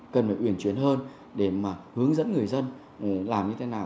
cần phải uyển chuyển hơn để mà hướng dẫn người dân làm như thế nào